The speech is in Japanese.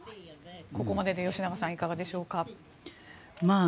ここまでで吉永さんいかがでしょうか。